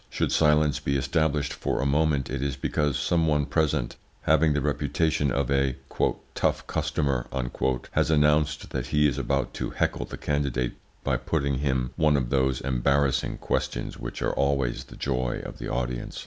Should silence be established for a moment it is because some one present, having the reputation of a "tough customer," has announced that he is about to heckle the candidate by putting him one of those embarrassing questions which are always the joy of the audience.